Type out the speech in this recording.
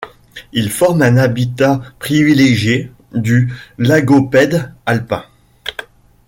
Il forme un habitat privilégié du Lagopède alpin.